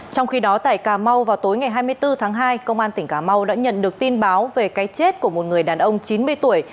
trong khi đó tại cà mau vào tối ngày hai mươi bốn tháng hai công an tỉnh cà mau đã nhận được tin báo về cái chết của một người đàn ông chín mươi tuổi